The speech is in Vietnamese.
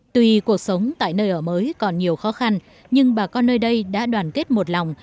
tuy cuộc sống tại nơi ở mới còn nhiều khó khăn nhưng bà con nơi đây đã đoàn kết một lòng